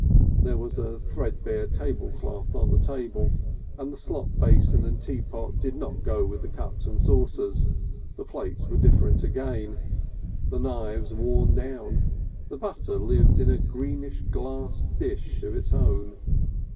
There was a threadbare tablecloth on the table, and the slop basin and teapot did not go with the cups and saucers, the plates were different again, the knives worn down, the butter lived in a greenish glass dish of its own.